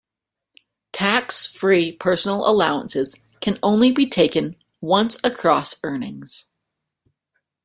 Tax free Personal allowances can only be taken once across earnings.